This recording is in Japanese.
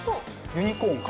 ユニコーンか。